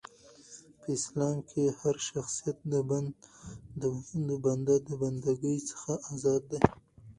په اسلام کښي هرشخصیت د بنده د بنده ګۍ څخه ازاد دي .